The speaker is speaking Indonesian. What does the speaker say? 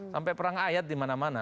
sampai perang ayat dimana mana